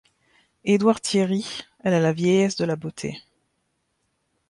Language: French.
Édouard Thierry ; elle a la vieillesse de la beauté.